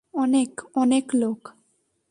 অনেক, অনেক লোক।